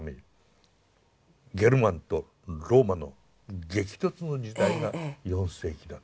ゲルマンとローマの激突の時代が４世紀だった。